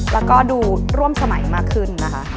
แล้วก็ดูร่วมสมัยมากขึ้นนะคะ